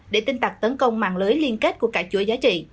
để tinh tặc tấn công mạng lưới liên kết của cả chuỗi giá trị